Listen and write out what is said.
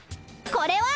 これは？